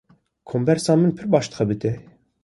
Kombersa min pir baş dixebite.